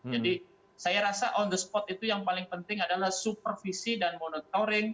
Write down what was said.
jadi saya rasa on the spot itu yang paling penting adalah supervisi dan monitoring